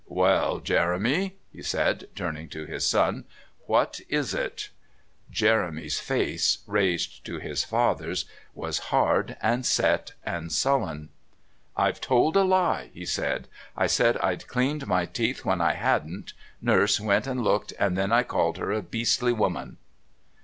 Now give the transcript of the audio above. "Well, Jeremy," he said, turning to his son, "what is it?" Jeremy's face, raised to his father's, was hard and set and sullen. "I've told a lie," he said; "I said I'd cleaned my teeth when I hadn't. Nurse went and looked, and then I called her a beastly woman."